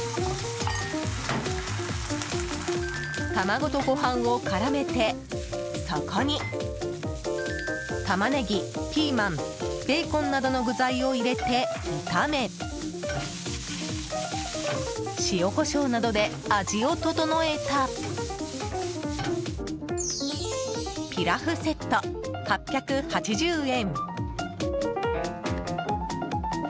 卵とご飯を絡めてそこにタマネギ、ピーマンベーコンなどの具材を入れて炒め塩、コショウなどで味を整えたピラフセット、８８０円。